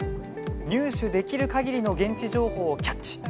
入手できるかぎりの現地情報をキャッチ。